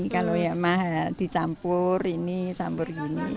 ya yang mahal dicampur ini campur ini